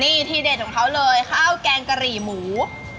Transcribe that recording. นี่ที่เด็ดของเขาเลยข้าวแกงกะหรี่หมู